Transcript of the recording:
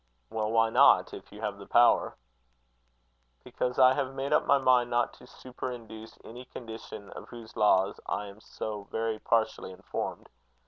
"Well, why not, if you have the power?" "Because I have made up my mind not to superinduce any condition of whose laws I am so very partially informed.